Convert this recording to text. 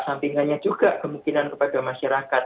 sampingannya juga kemungkinan kepada masyarakat